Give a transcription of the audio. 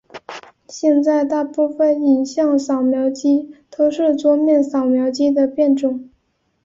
现在大部份影像扫描机都是桌面扫描机的变种。